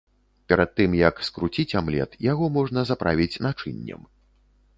Перад тым, як скруціць амлет, яго можна заправіць начыннем.